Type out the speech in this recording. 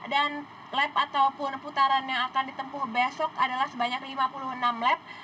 dan lap ataupun putaran yang akan ditempuh besok adalah sebanyak lima puluh enam lap